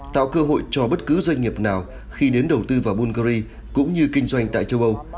tạo cơ hội cho bất cứ doanh nghiệp nào khi đến đầu tư vào bungary cũng như kinh doanh tại châu âu